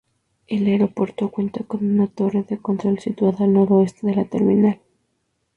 El aeropuerto cuenta con una torre de control situada al noreste de la terminal.